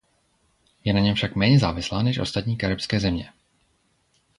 Je na něm však méně závislá než ostatní karibské země.